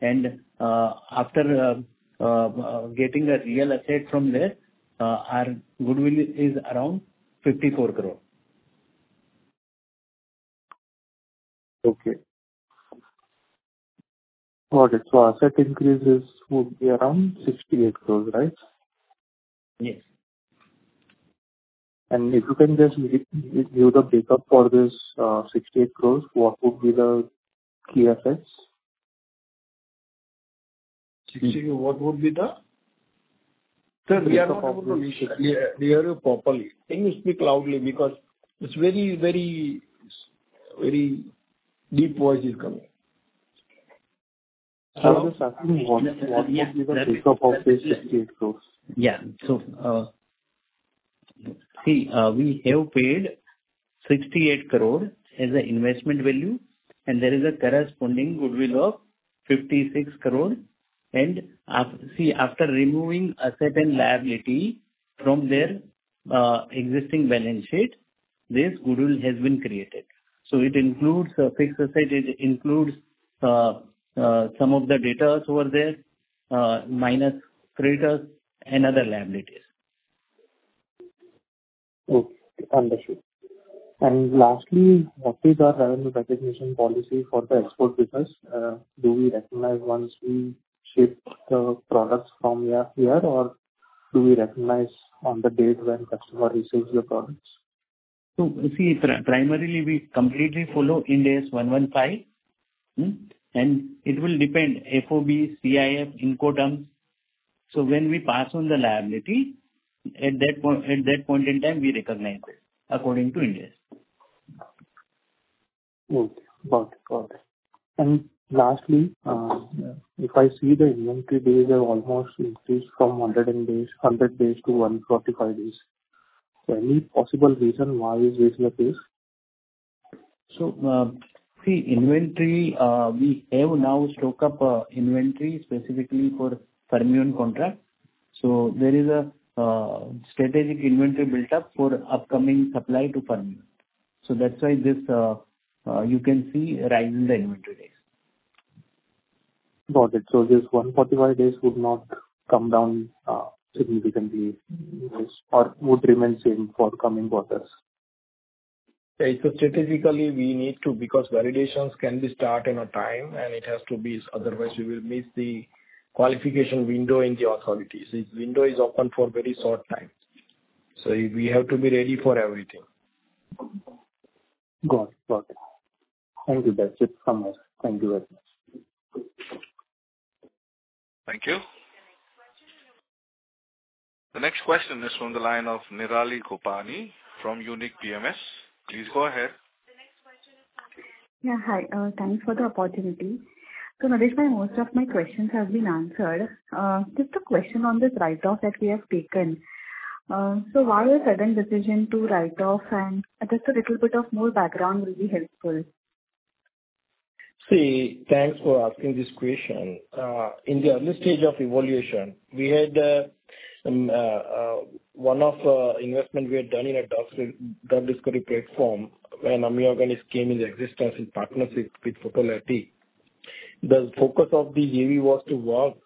And after getting a real asset from there, our goodwill is around 54 crore. Okay. Got it. Asset increases would be around 68 crore, right? Yes. If you can just give the breakup for this 68 crore, what would be the key assets? 68, what would be the? Sir, we are not able to hear you properly. Can you speak loudly because it's very, very, very deep voice is coming? <inaudible> I was just asking what would be the breakup of this INR 68 crore? Yeah. So see, we have paid 68 crore as an investment value, and there is a corresponding goodwill of 56 crore. And see, after removing asset and liability from their existing balance sheet, this goodwill has been created. So it includes fixed asset. It includes some of the data over there minus creditors and other liabilities. Okay. Understood. And lastly, what is our revenue recognition policy for the export business? Do we recognize once we ship the products from here or do we recognize on the date when customer receives the products? So see, primarily, we completely follow Ind AS 115, and it will depend on FOB, CIF, Incoterms. So when we pass on the liability, at that point in time, we recognize it according to Ind AS. Okay. Got it. Got it. Lastly, if I see the inventory days have almost increased from 100 days to 145 days. Any possible reason why is this the case? So see, we have now stocked up inventory specifically for Fermion and contract. So there is a strategic inventory built up for upcoming supply to Fermion. So that's why you can see a rise in the inventory days. Got it. So this 145 days would not come down significantly or would remain the same for coming quarters? So, strategically, we need to because validations can be started on time, and it has to be. Otherwise, we will miss the qualification window in the authorities. This window is open for a very short time. So, we have to be ready for everything. Got it. Got it. Thank you, Darshit. Thank you very much. Thank you. The next question is from the line of Nirali Gopani from Unique PMS. Please go ahead. Yeah. Hi. Thanks for the opportunity. So Nareshbhai, most of my questions have been answered. Just a question on this write-off that we have taken. So why a sudden decision to write off? And just a little bit of more background will be helpful. See, thanks for asking this question. In the early stage of evaluation, we had one of the investments we had done in a drug discovery platform when AMI Onco-Theranostics came into existence in partnership with Photolitec. The focus of the JV was to work on small oncotherapeutics. Sorry. I'm sorry. I got some call in the background. So the focus of the JV was to work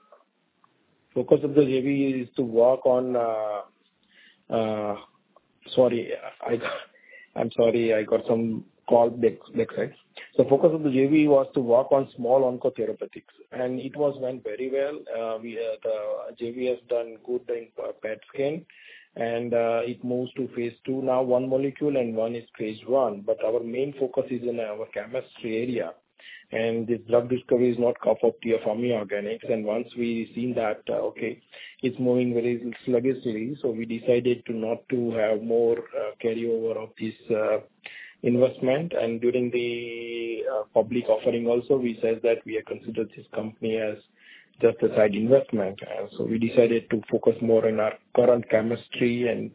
on small oncotherapeutics. And it was going very well. The JV has done good in PET scan, and it moves to phase II. Now, one molecule and one is phase I. But our main focus is in our chemistry area. And this drug discovery is not core to us here at AMI Organics. And once we've seen that, okay, it's moving very sluggishly. So we decided not to have more carryover of this investment. And during the public offering also, we said that we considered this company as just a side investment. And so we decided to focus more on our current chemistry and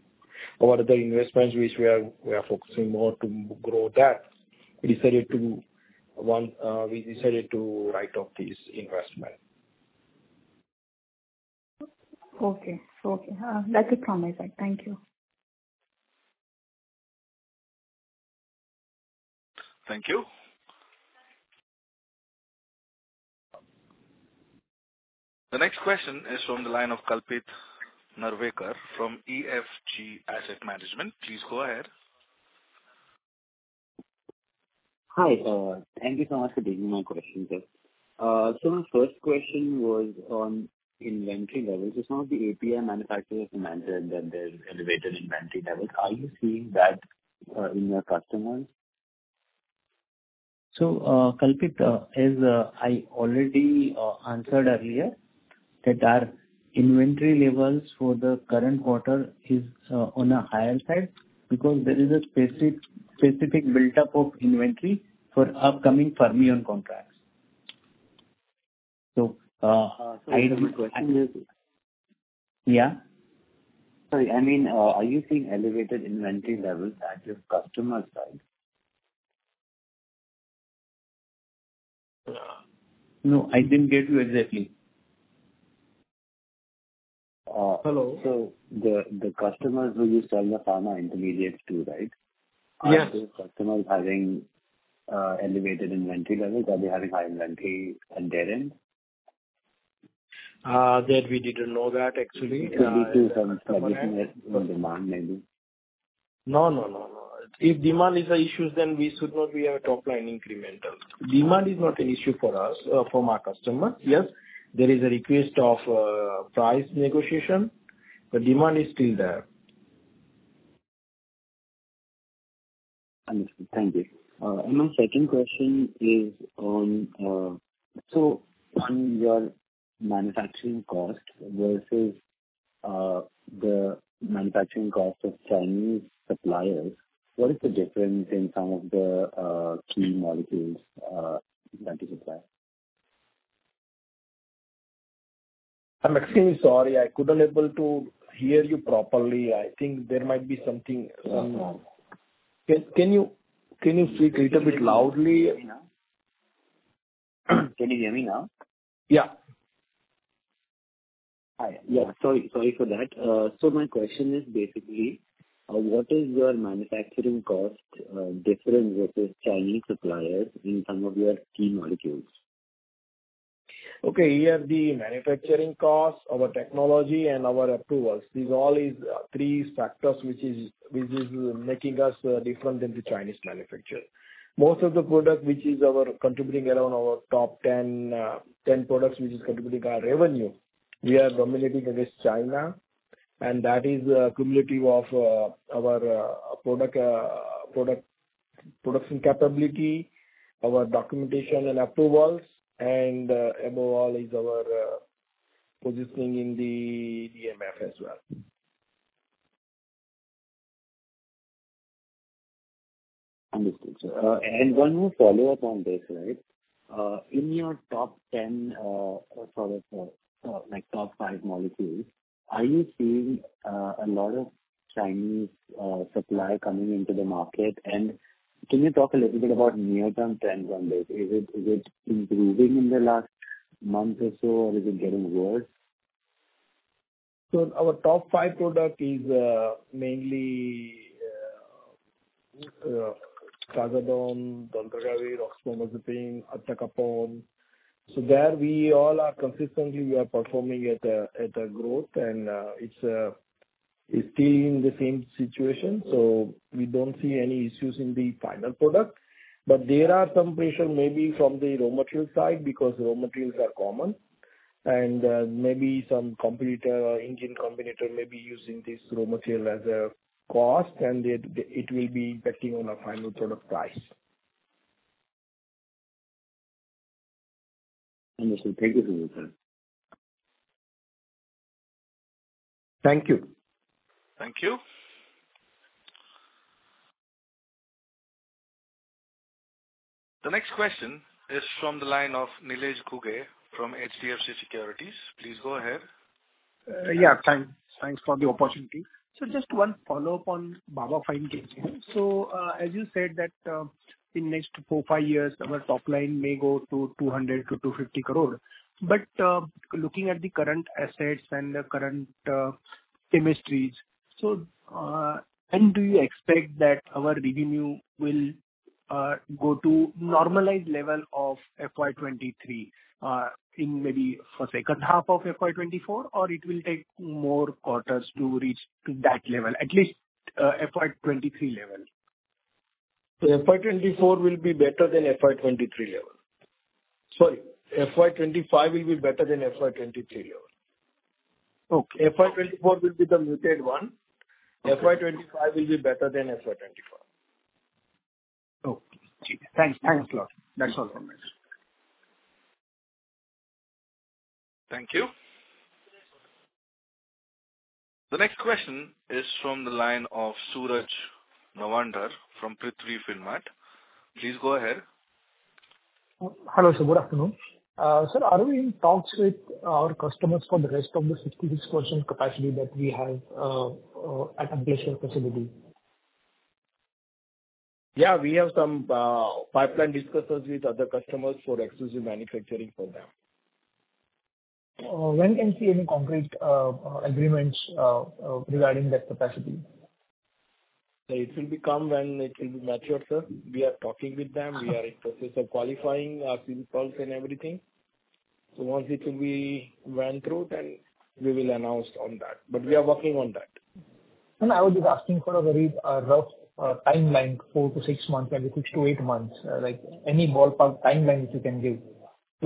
our other investments, which we are focusing more to grow that. We decided to write off this investment. Okay. Okay. That's a promise, sir. Thank you. Thank you. The next question is from the line of Kalpit Narvekar from EFG Asset Management. Please go ahead. Hi. Thank you so much for taking my question, sir. My first question was on inventory levels. Some of the API manufacturers have mentioned that there's elevated inventory levels. Are you seeing that in your customers? So Kalpit, as I already answered earlier, that our inventory levels for the current quarter is on a higher side because there is a specific buildup of inventory for upcoming Fermion and contracts. So I don't. My question is. Yeah? Sorry. I mean, are you seeing elevated inventory levels at your customer side? No, I didn't get you exactly. Hello? So the customers who you sell the pharma intermediates to, right, are those customers having elevated inventory levels? Are they having high inventory at their end? Sir, we didn't know that, actually. Maybe due to some sluggishness in demand, maybe? No, no, no, no. If demand is an issue, then we should not be a top-line incremental. Demand is not an issue for us, for my customers. Yes, there is a request of price negotiation, but demand is still there. Understood. Thank you. My second question is on your manufacturing cost versus the manufacturing cost of Chinese suppliers. What is the difference in some of the key molecules that you supply? I'm extremely sorry. I couldn't be able to hear you properly. I think there might be something. No problem. Can you speak a little bit loudly? Can you hear me now? Yeah. Hi. Yes. Sorry for that. My question is basically, what is your manufacturing cost difference versus Chinese suppliers in some of your key molecules? Okay. Here are the manufacturing costs, our technology, and our approvals. These are all three factors which are making us different than the Chinese manufacturer. Most of the product, which is contributing around our top 10 products, which is contributing our revenue, we are dominating against China. And that is a cumulative of our product production capability, our documentation and approvals. And above all is our positioning in the DMF as well. Understood, sir. And one more follow-up on this, right? In your top 10, sorry, sorry, top 5 molecules, are you seeing a lot of Chinese supply coming into the market? And can you talk a little bit about near-term trends on this? Is it improving in the last month or so, or is it getting worse? So our top 5 product is mainly Trazodone, Dolutegravir, Oxcarbazepine, Entacapone. So there, we all are consistently performing at a growth, and it's still in the same situation. So we don't see any issues in the final product. But there are some pressure maybe from the raw material side because raw materials are common. And maybe some competitor or Indian competitor may be using this raw material as a cost, and it will be impacting on our final product price. Understood. Thank you for your time. Thank you. Thank you. The next question is from the line of Nilesh Ghuge from HDFC Securities. Please go ahead. Yeah. Thanks for the opportunity. So just one follow-up on Baba Fine Chemicals. So as you said that in the next 4-5 years, our top line may go to 200 crore-250 crore. But looking at the current assets and the current chemistries, so when do you expect that our revenue will go to normalized level of FY23 in maybe the second half of FY24, or it will take more quarters to reach that level, at least FY23 level? So FY24 will be better than FY23 level. Sorry. FY25 will be better than FY23 level. FY24 will be the muted one. FY25 will be better than FY24. Okay. Thanks. Thanks a lot. That's all from me. Thank you. The next question is from the line of Suraj Nawandhar from Prithvi Finmart. Please go ahead. Hello, sir. Good afternoon. Sir, are we in talks with our customers for the rest of the 66% capacity that we have at our Ankleshwar facility? Yeah. We have some pipeline discussions with other customers for exclusive manufacturing for them. When can we see any concrete agreements regarding that capacity? It will come when it will be matured, sir. We are talking with them. We are in the process of qualifying our field polls and everything. So once it will be run through, then we will announce on that. But we are working on that. I was just asking for a very rough timeline, 4-6 months and 6-8 months, any ballpark timeline that you can give.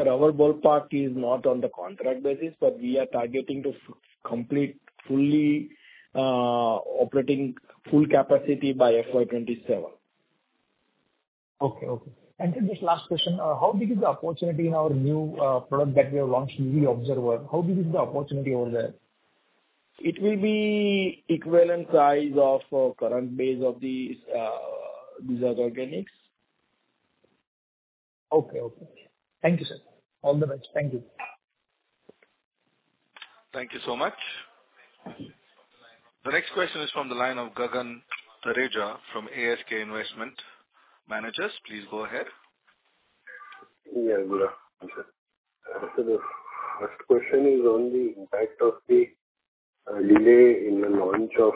Our ballpark is not on the contract basis, but we are targeting to complete fully operating full capacity by FY27. Okay. Okay. Just last question, how big is the opportunity in our new product that we have launched, UV Absorber? How big is the opportunity over there? It will be equivalent size of current base of these other organics. Okay. Okay. Thank you, sir. All the best. Thank you. Thank you so much. The next question is from the line of Gagan Thareja from ASK Investment Managers. Please go ahead. Yeah. Good afternoon. So the first question is on the impact of the delay in the launch of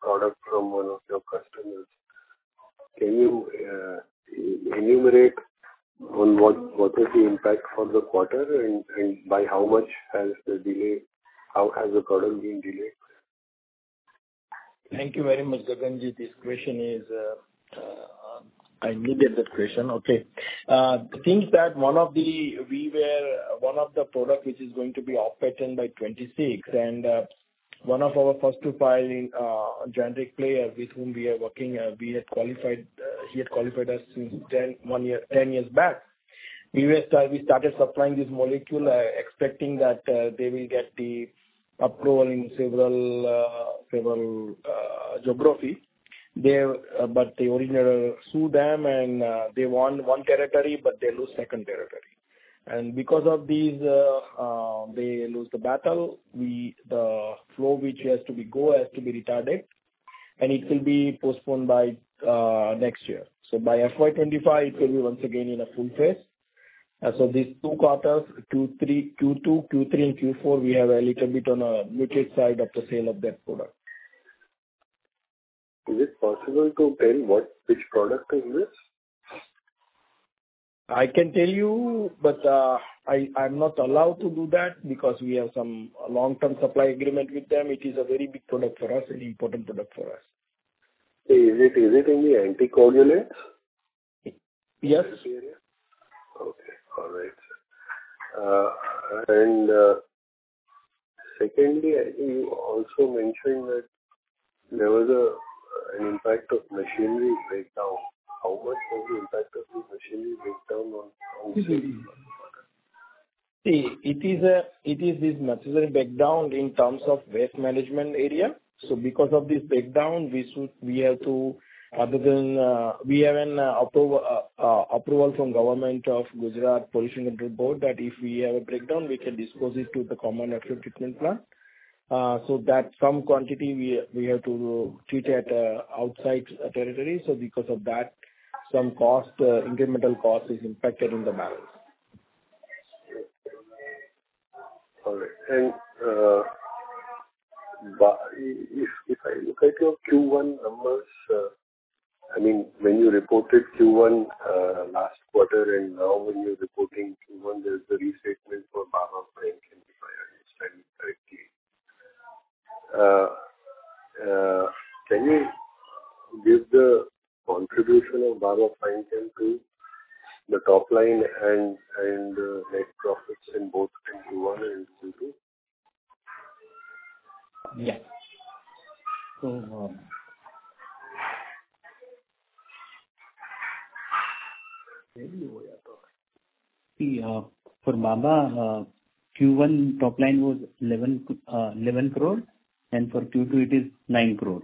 product from one of your customers. Can you enumerate on what is the impact for the quarter and by how much has the delay, how has the product been delayed? Thank you very much, Gaganji. This question is I needed that question. Okay. The thing is that one of the we were one of the products which is going to be off-patent by 2026. One of our first-to-file generic players with whom we are working, he had qualified us since 10 years back. We started supplying this molecule expecting that they will get the approval in several geographies. But the original sued them, and they won one territory, but they lost the second territory. Because of this, they lost the battle. The flow which has to go has to be retarded, and it will be postponed by next year. So by FY 2025, it will be once again in a full phase. So these two quarters, Q2, Q3, and Q4, we have a little bit on a muted side of the sale of that product. Is it possible to tell which product is this? I can tell you, but I'm not allowed to do that because we have some long-term supply agreement with them. It is a very big product for us, an important product for us. Is it in the anticoagulants area? Yes. Okay. All right, sir. And secondly, I think you also mentioned that there was an impact of machinery breakdown. How much was the impact of the machinery breakdown on wholesale products? See, it is this much is a breakdown in terms of waste management area. So because of this breakdown, we have to other than we have an approval from the government of Gujarat Pollution Control Board that if we have a breakdown, we can dispose it to the common effluent treatment plant. So some quantity, we have to treat it outside territory. So because of that, some incremental cost is impacted in the balance. All right. If I look at your Q1 numbers, I mean, when you reported Q1 last quarter and now when you're reporting Q1, there's the restatement for Baba Fine Chemicals if I understand correctly. Can you give the contribution of Baba Fine Chemicals to the top line and net profits in both Q1 and Q2? Yes. So tell me what you're talking. See, for Baba, Q1 top line was 11 crore, and for Q2, it is INR 9 crore.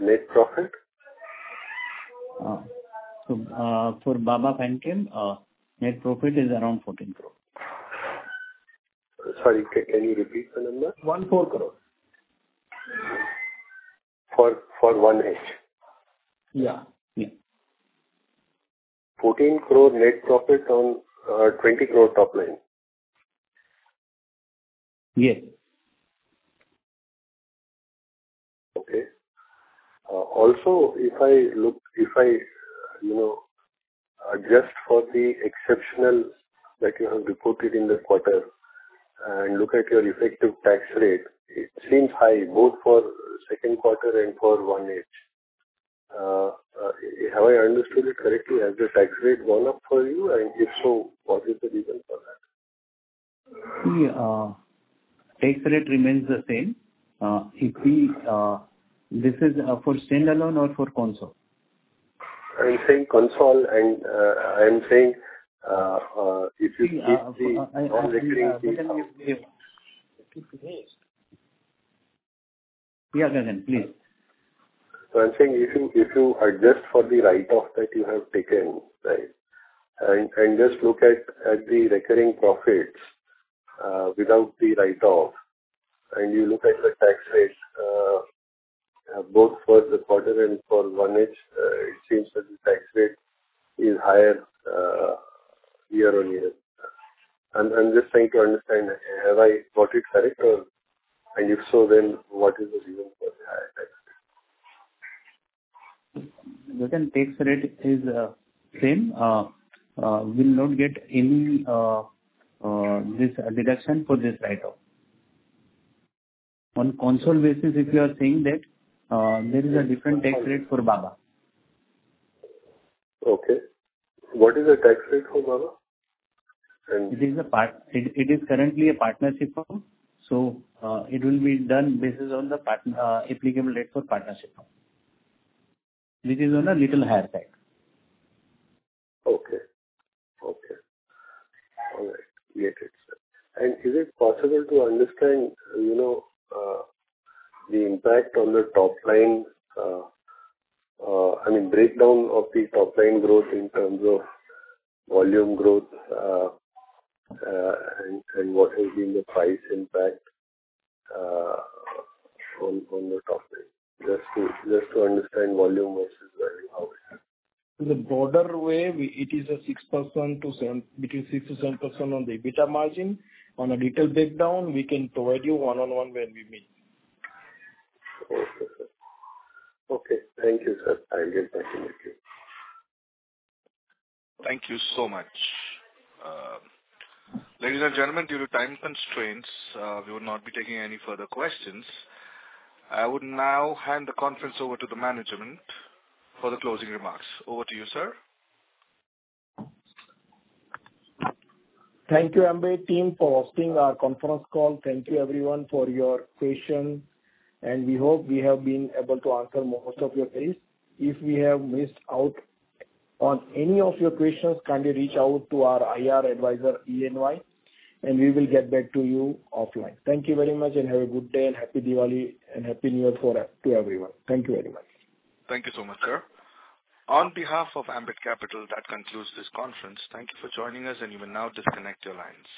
Net profit? For Baba Fine Chemicals, net profit is around 14 crore. Sorry. Can you repeat the number? 14 crore. For 1H? Yeah. Yeah. 14 crore net profit on 20 crore top line? Yes. Okay. Also, if I look if I adjust for the exceptional that you have reported in the quarter and look at your effective tax rate, it seems high both for second quarter and for 1H. Have I understood it correctly? Has the tax rate gone up for you? And if so, what is the reason for that? See, tax rate remains the same. This is for standalone or for consolidated? I'm saying console. I'm saying if you see the on-recording key. Please. Yeah, Gagan, please. So I'm saying if you adjust for the write-off that you have taken, right, and just look at the recurring profits without the write-off, and you look at the tax rate both for the quarter and for 1H, it seems that the tax rate is higher year-over-year. I'm just trying to understand. Have I got it correct? And if so, then what is the reason for the higher tax rate? Gagan, tax rate is the same. We will not get any deduction for this write-off. On consolidated basis, if you are saying that, there is a different tax rate for Baba. Okay. What is the tax rate for Baba? It is currently a partnership firm. So it will be done based on the applicable rate for partnership, which is on a little higher side. Okay. Okay. All right. Got it, sir. And is it possible to understand the impact on the top line? I mean, breakdown of the top line growth in terms of volume growth and what has been the price impact on the top line? Just to understand volume versus value, how is it? In the broader way, it is between 6%-7% on the EBITDA margin. On a detailed breakdown, we can provide you one-on-one when we meet. Okay. Okay. Thank you, sir. I'll get back to you. Thank you so much. Ladies and gentlemen, due to time constraints, we will not be taking any further questions. I would now hand the conference over to the management for the closing remarks. Over to you, sir. Thank you, Ambit team, for hosting our conference call. Thank you, everyone, for your patience. We hope we have been able to answer most of your questions. If we have missed out on any of your questions, kindly reach out to our IR advisor, ENY, and we will get back to you offline. Thank you very much, and have a good day, and happy Diwali, and happy New Year to everyone. Thank you very much. Thank you so much, sir. On behalf of Ambit Capital, that concludes this conference. Thank you for joining us, and you may now disconnect your lines.